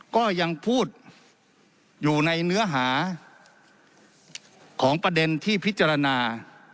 ก็ยังพูดอยู่ในเนื้อหาของประเด็นที่พิจารณา